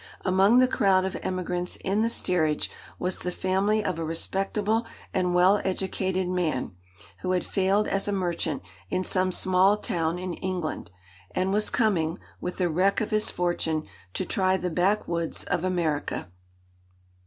Among the crowd of emigrants in the steerage, was the family of a respectable and well educated man, who had failed as a merchant in some small town in England, and was coming, with the wreck of his fortune, to try the back woods of America.